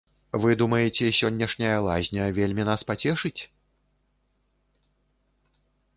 Вы думаеце, сягонняшняя лазня вельмі нас пацешыць?